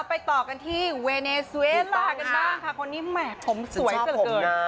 ไปต่อกันที่เวเนซูเอล่ากันบ้างค่ะคนนี้แหมผมสวยจังเลย